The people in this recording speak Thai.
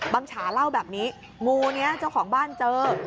ฉาเล่าแบบนี้งูนี้เจ้าของบ้านเจอ